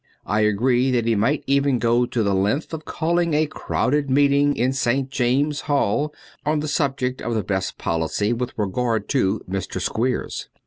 I agree that he might even go the length of calling a crowded meeting in St. James's Hall on the subject of the best policy with regard to Mr. Squeers.